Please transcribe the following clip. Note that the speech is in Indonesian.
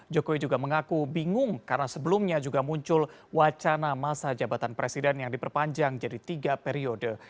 jokowi juga mengaku bingung karena sebelumnya juga muncul wacana masa jabatan presiden yang diperpanjang jadi tiga periode